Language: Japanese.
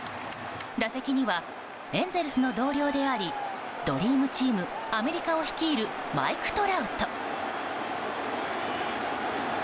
打席にはエンゼルスの同僚でありドリームチームアメリカを率いるマイク・トラウト。